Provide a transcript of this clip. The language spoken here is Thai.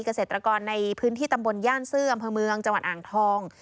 เกษตรกรในพื้นที่ตำบลย่านซื่ออำเภอเมืองจังหวัดอ่างทอง